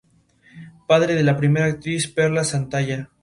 Padre de la primera actriz Perla Santalla.